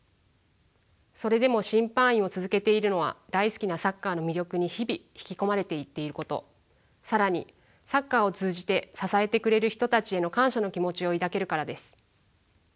それでも審判員を続けているのは大好きなサッカーの魅力に日々引き込まれていっていること更にサッカーを通じて支えてくれる人たちへの感謝の気持ちを抱けるからです。